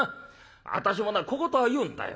私もな小言は言うんだよ。